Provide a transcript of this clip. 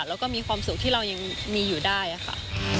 แล้วก็มีความสุขที่เรายังมีอยู่ได้ค่ะ